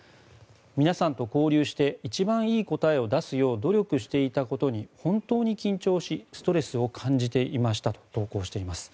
皆さんと交流して一番いい答えを出すよう努力していたことに本当に緊張しストレスを感じていましたと投稿しています。